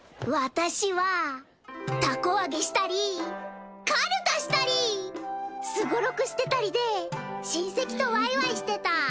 私はたこ揚げしたりカルタしたりすごろくしてたりで親戚とわいわいしてた。